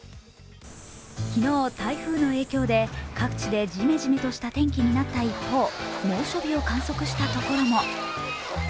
昨日、台風の影響で各地でジメジメとした天気になった一方、猛暑日を観測したところも。